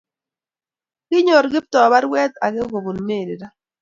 Kinyor Kiptoo barwet ake kobun Mary ra